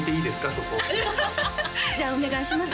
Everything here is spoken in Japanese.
そこじゃあお願いします